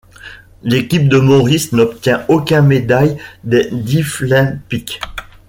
L'équipe de Maurice n'obtient aucun médaille des Deaflympics.